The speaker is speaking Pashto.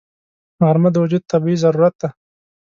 غرمه د وجود طبیعي ضرورت دی